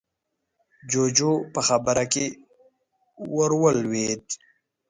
جُوجُو په خبره کې ورولوېد: